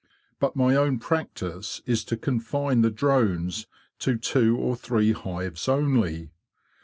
But my own practice is to confine the drones to two or three hives only.